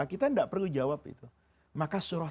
kita tidak perlu jawab itu maka suruh